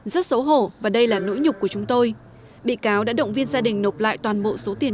rất xấu hổ và đây là nỗi nhục của chúng tôi bị cáo đã động viên gia đình nộp lại toàn bộ số tiền